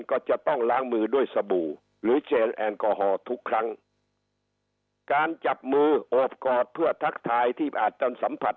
ก็จะต้องล้างมือด้วยสบู่หรือเจลแอลกอฮอลทุกครั้งการจับมือโอบกอดเพื่อทักทายที่อาจจะสัมผัส